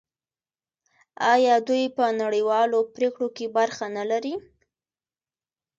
آیا دوی په نړیوالو پریکړو کې برخه نلري؟